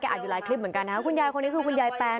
อ่านอยู่หลายคลิปเหมือนกันนะครับคุณยายคนนี้คือคุณยายแปน